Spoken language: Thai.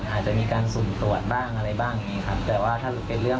อาจจะมีการสวนตรวจบ้างอะไรบ้างกันอย่างนี้